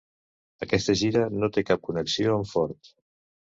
Aquesta gira no té cap connexió amb Ford.